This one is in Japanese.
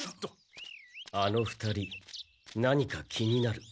あの２人何か気になる。